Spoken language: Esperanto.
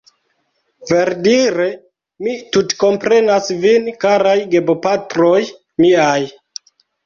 Verdire, mi tutkomprenas vin karaj gebopatroj miaj